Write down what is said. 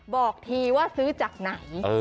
บอกทีว่าซื้อจากไหน